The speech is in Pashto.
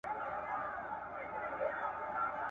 څه انكار نه كوي